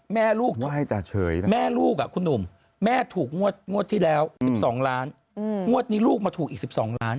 แม่ลูกแม่ลูกคุณหนุ่มแม่ถูกงวดที่แล้ว๑๒ล้านงวดนี้ลูกมาถูกอีก๑๒ล้าน